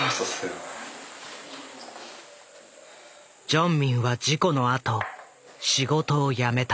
ジョンミンは事故のあと仕事を辞めた。